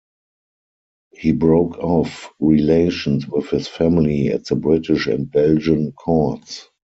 He broke off relations with his family at the British and Belgian courts.